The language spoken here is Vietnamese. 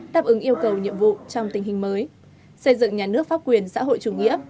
đáp ứng yêu cầu nhiệm vụ trong tình hình mới xây dựng nhà nước pháp quyền xã hội chủ nghĩa